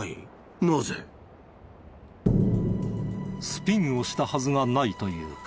スピンをしたはずがないという薫。